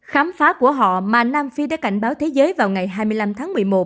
khám phá của họ mà nam phi đã cảnh báo thế giới vào ngày hai mươi năm tháng một mươi một